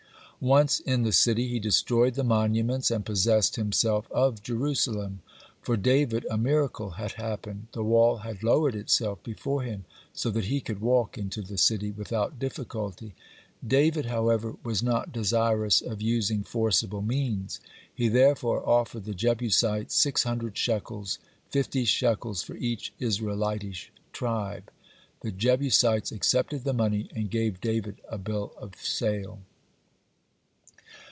Once in the city, he destroyed the monuments, and possessed himself of Jerusalem. (52) For David a miracle had happened; the wall had lowered itself before him so that he could walk into the city without difficulty. David, however, was not desirous of using forcible means. He therefore offered the Jebusites six hundred shekels, fifty shekels for each Israelitish tribe. The Jebusites accepted the money, and gave David a bill of sale.